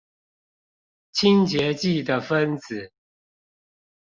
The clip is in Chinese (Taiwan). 清潔劑的分子